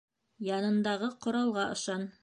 Янындағы ҡоралға ышан.